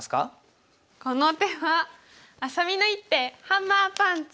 この手はあさみの一手ハンマーパンチ！